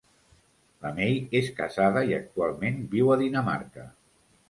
La May és casada i actualment viu a Dinamarca.